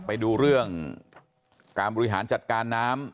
ไปดูเรื่องการบริหารจัดการน้ำ